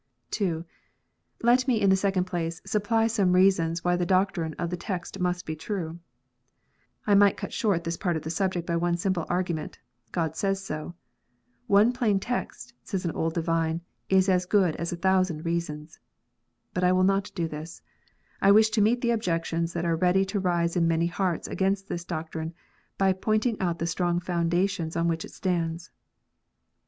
II. Let me, in the second place, supply some reasons irliy the. doctrine of the text must be true. I might cut short this part of the subject by one simple argument: "God says so." "One plain text," said an old divine, " is as good as a thousand reasons." But I will not do this. I wish to meet the objections that are ready to rise in many hearts against this doctrine, by point ing out the strong foundations on which it stands.